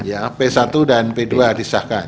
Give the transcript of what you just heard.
ya p satu dan p dua disahkan